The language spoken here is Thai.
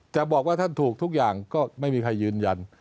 บอกว่าท่านถูกทุกอย่างก็ไม่มีใครยืนยัน